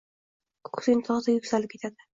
— ko‘ksing tog‘dek yuksalib ketadi.